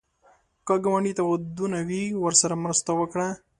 که ګاونډي ته ودونه وي، ورسره مرسته وکړه